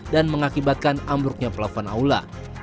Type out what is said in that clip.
dan mengakibatkan ambruknya pelafon aula